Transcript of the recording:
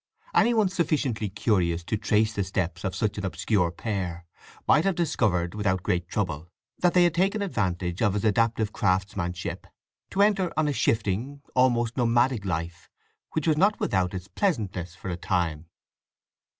Any one sufficiently curious to trace the steps of such an obscure pair might have discovered without great trouble that they had taken advantage of his adaptive craftsmanship to enter on a shifting, almost nomadic, life, which was not without its pleasantness for a time.